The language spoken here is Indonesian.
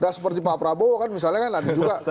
udah seperti pak prabowo kan misalnya